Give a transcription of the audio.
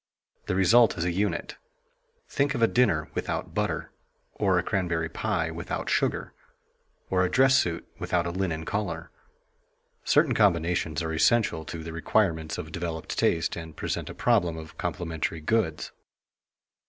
The result is a unit. Think of a dinner without butter, or a cranberry pie without sugar, or a dress suit without a linen collar. Certain combinations are essential to the requirements of developed taste and present a problem of complementary goods.